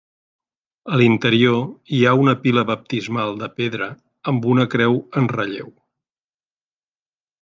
A l'interior hi ha una pila baptismal de pedra amb una creu en relleu.